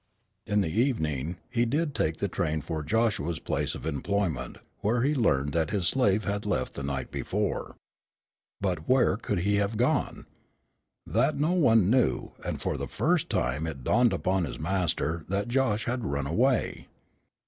In the evening, he did take the train for Joshua's place of employment, where he learned that his slave had left the night before. But where could he have gone? That no one knew, and for the first time it dawned upon his master that Josh had run away.